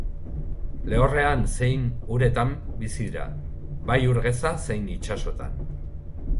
Lehorrean zein uretan bizi dira, bai ur geza zein itsasoetan.